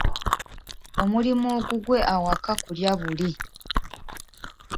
Omulimu ogugwe awaka kulya buli.